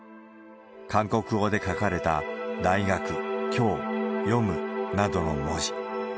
韓国語で書かれた、大学、きょう、読むなどの文字。